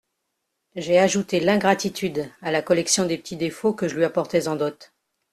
J'ai ajouté l'ingratitude à la collection des petits défauts que je lui apportais en dot.